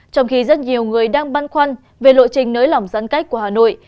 trong khi rất nhiều người đang băn khoăn về lộ trình nới lỏng giãn cách của hà nội